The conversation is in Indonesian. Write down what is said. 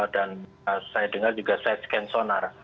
dan saya dengar juga side scan sonar